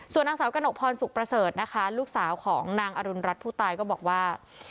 นางสาวกระหนกพรสุขประเสริฐนะคะลูกสาวของนางอรุณรัฐผู้ตายก็บอกว่า